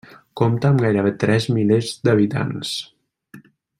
Compta amb gairebé tres milers d'habitants.